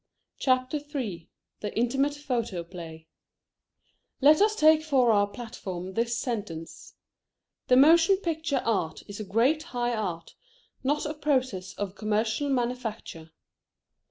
CHAPTER III THE INTIMATE PHOTOPLAY Let us take for our platform this sentence: THE MOTION PICTURE ART IS A GREAT HIGH ART, NOT A PROCESS OF COMMERCIAL MANUFACTURE.